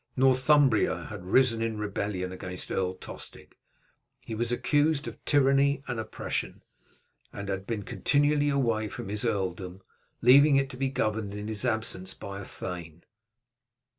Northumbria had risen in rebellion against Earl Tostig. He was accused of tyranny and oppression, and had been continually away from his earldom, leaving it to be governed in his absence by a thane.